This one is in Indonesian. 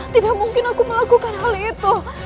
tidak mungkin aku melakukan hal itu